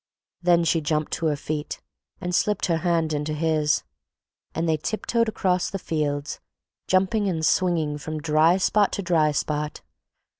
Then she jumped to her feet and slipped her hand into his, and they tiptoed across the fields, jumping and swinging from dry spot to dry spot.